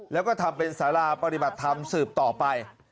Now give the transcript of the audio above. แล้วก็ทำเป็นสาราปฏิบัติธรรมสืบต่อไป